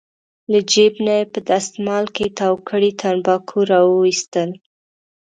له جېب نه یې په دستمال کې تاو کړي تنباکو راوویستل.